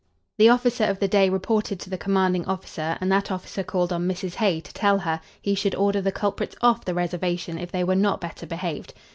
The officer of the day reported to the commanding officer, and that officer called on Mrs. Hay to tell her he should order the culprits off the reservation if they were not better behaved.